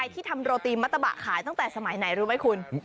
ที่ทำโรตีมัตตะบะขายตั้งแต่สมัยไหนรู้ไหมคุณ